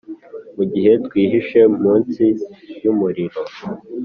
mugihe twihishe mu isi yumuriro